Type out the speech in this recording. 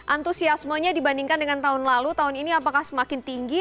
antusiasmenya dibandingkan dengan tahun lalu tahun ini apakah semakin tinggi